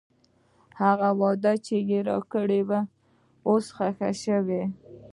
هغه وعده چې راکړې وه، اوس ښخ شوې.